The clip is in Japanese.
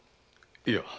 いや。